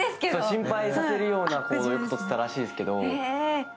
心配させるような行動をとっていたらしいですけど。